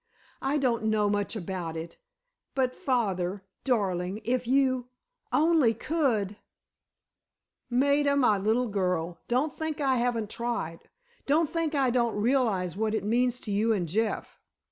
I don't know much about it—but father, darling, if you only could!" "Maida, my little girl, don't think I haven't tried. Don't think I don't realize what it means to you and Jeff.